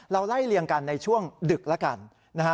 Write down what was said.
ไล่เลี่ยงกันในช่วงดึกแล้วกันนะฮะ